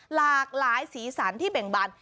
หลากหลายสีสันที่เบ่งบัน